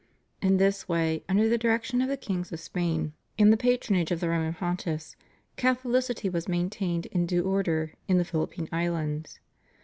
In this way, under the direction of the kings of Spain and the patronage of the Roman Pontiffs, Catholicity was maintained with due order in the Philippine Islands.